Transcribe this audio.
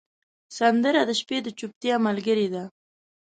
سندره د شپې د چوپتیا ملګرې ده